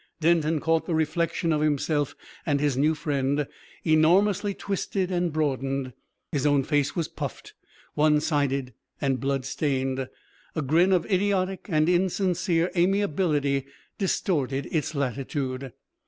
Denton caught the reflection of himself and his new friend, enormously twisted and broadened. His own face was puffed, one sided, and blood stained; a grin of idiotic and insincere amiability distorted its latitude.